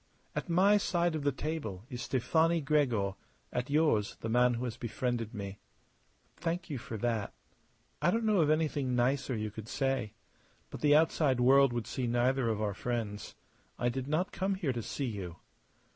At my side of the table is Stefani Gregor; at yours the man who has befriended me." "Thank you for that. I don't know of anything nicer you could say. But the outside world would see neither of our friends. I did not come here to see you."